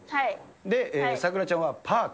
さくらちゃんはパーク。